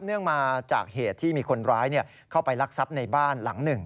เนื่องมาจากเหตุที่มีคนร้ายเข้าไปลักทรัพย์ในบ้านหลังหนึ่ง